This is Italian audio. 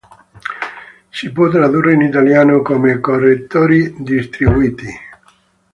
Si può tradurre in italiano come "correttori distribuiti".